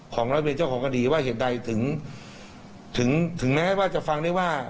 ของรัฐบินเจ้าของคดีว่าเหตุใดถึงถึงถึงแม้ว่าจะฟังได้ว่า